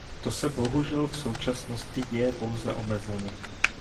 To se bohužel v současnosti děje pouze omezeně.